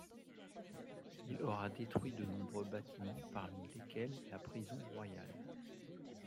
Il aura détruit de nombreux bâtiments parmi lesquels la prison royale.